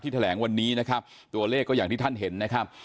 แถลงวันนี้นะครับตัวเลขก็อย่างที่ท่านเห็นนะครับ